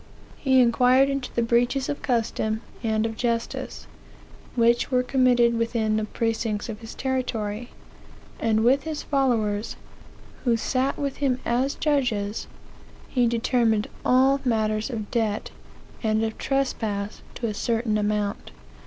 He inquired into the breaches of custom, and of justice, which were committed within the precincts of his territory, and with his followers, who sat with him as judges, he determined in all matters of debt, and of trespass to a certain amount.